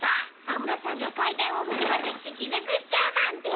安室さんが階段を踏み外して気絶しちゃうなんて。